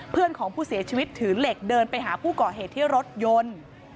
เพื่อนของผู้เสียชีวิตถือเหล็กเดินไปหาผู้ก่อเหตุที่รถยนต์